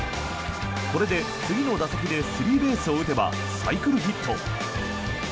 これで次の打席でスリーベースを打てばサイクルヒット。